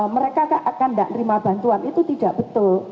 mereka tidak akan terima bantuan itu tidak betul